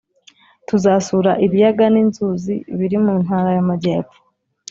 tuzasura ibiyaga n’inzuzi biri mu ntara y’amajyepfo